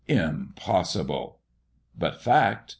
"Impossible!" "But fact.